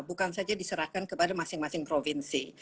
bukan saja diserahkan kepada masing masing provinsi